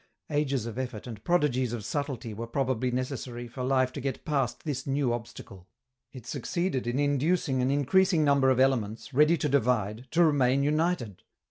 Ages of effort and prodigies of subtlety were probably necessary for life to get past this new obstacle. It succeeded in inducing an increasing number of elements, ready to divide, to remain united.